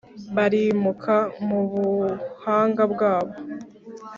barimuka mu buhanga bwabo.